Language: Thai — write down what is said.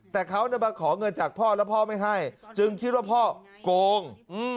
แต่เขามาขอเงินจากพ่อแล้วพ่อไม่ให้จึงคิดว่าพ่อโกง